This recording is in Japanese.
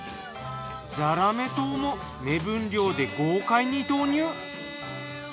ザラメ糖も目分量で豪快に投入！